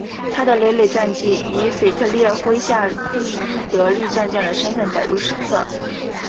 他的累累战绩以腓特烈麾下第一得力战将的身份载入史册。